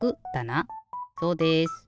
そうです！